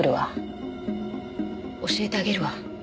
教えてあげるわ。